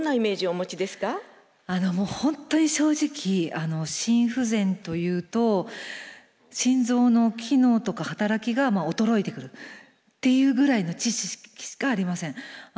本当に正直心不全というと心臓の機能とか働きが衰えてくるっていうぐらいの知識しかありません。